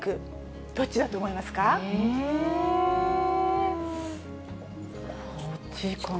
こっちかな。